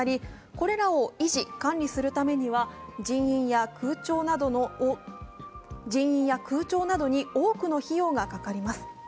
これらを維持・管理するためには人員や空調などに多くの費用がかかります。